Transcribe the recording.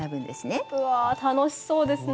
うわ楽しそうですね。